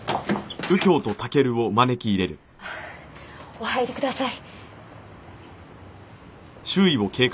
お入りください。